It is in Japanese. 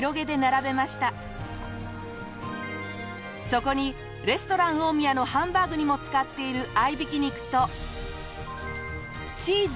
そこにレストラン大宮のハンバーグにも使っている合いびき肉と。